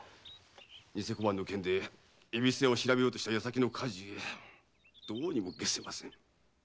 偽小判の件で恵比寿屋を調べようとした矢先の火事ゆえどうにも解せません。